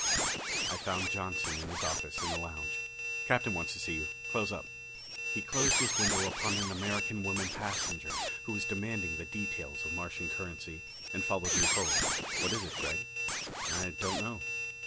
I found Johnson in his office in the lounge. "Captain wants to see you. Close up." He closed his window upon an American woman passenger who was demanding the details of Martian currency, and followed me forward. "What is it, Gregg?" "I don't know."